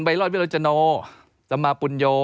ไบรอดวิราชโจโนสมาปุญโย